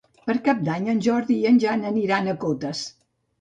Per Cap d'Any en Jordi i en Jan aniran a Cotes.